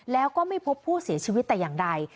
แล้วก็ไม่พบผู้เสียชีวิตแต่อย่างใด